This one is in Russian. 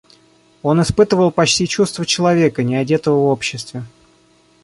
Он испытывал почти чувство человека неодетого в обществе.